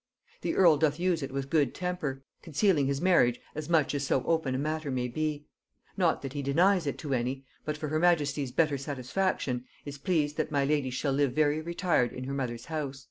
The earl doth use it with good temper, concealing his marriage as much as so open a matter may be: not that he denies it to any, but for her majesty's better satisfaction, is pleased that my lady shall live very retired in her mother's house.